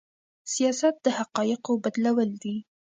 سياست د حقايقو بدلول دي.